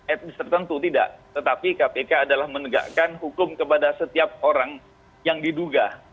etnis tertentu tidak tetapi kpk adalah menegakkan hukum kepada setiap orang yang diduga